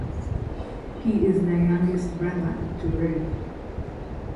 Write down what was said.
He is the youngest brother to Rev.